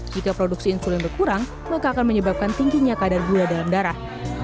jika produksi insulin berkurang maka akan menyebabkan tingginya kadar gula dalam darah